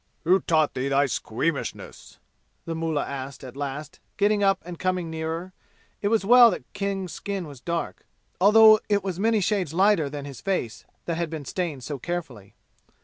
"Who taught thee thy squeamishness?" the mullah asked at last, getting up and coming nearer. It was well that King's skin was dark (although it was many shades lighter than his face, that had been stained so carefully).